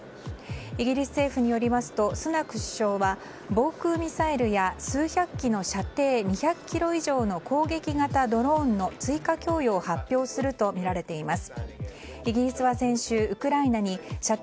イギリス政府によりますとスナク首相は防空ミサイルや数百機の射程２００ｋｍ以上の攻撃型ドローンの追加供与を発表するとみられています。